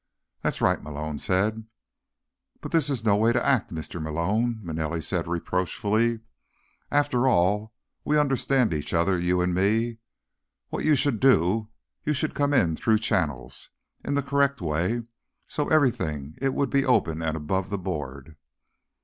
"That's right," Malone said. "But this is no way to act, Mr. Malone," Manelli said reproachfully. "After all, we understand each other, you and me. What you should do, you should come in through channels, in the correct way, so everything it would be open and above the board."